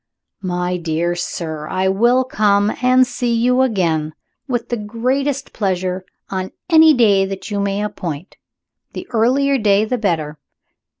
"My dear sir, I will come and see you again, with the greatest pleasure, on any day that you may appoint the earlier day the better.